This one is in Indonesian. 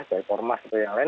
seperti formas seperti yang lain